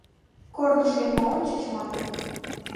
Корныш лекме ончыч манын: